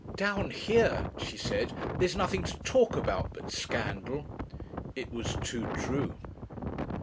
"Down here," she said, "there's nothing to talk about but scandal." It was too true.